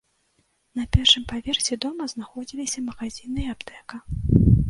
На першым паверсе дома знаходзіліся магазіны і аптэка.